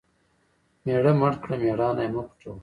مېړه مړ کړه مېړانه مه پوټوه .